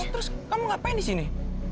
terus kamu ngapain disini